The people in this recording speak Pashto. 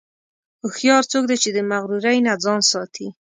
هوښیار څوک دی چې د مغرورۍ نه ځان ساتي.